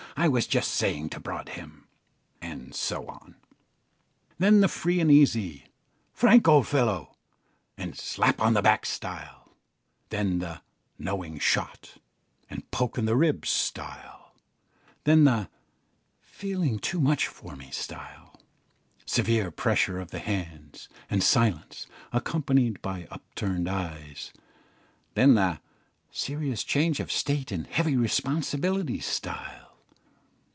I was just saying to Broadhem," and so on; then the free and easy "Frank, old fellow" and "slap on the back" style; then the "knowing shot" and "poke in the ribs" style; then the "feelings too much for me" style severe pressure of the hands, and silence, accompanied by upturned eyes; then the "serious change of state and heavy responsibilities" style.